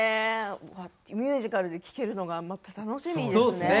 ミュージカルで聴けるのが楽しみですね。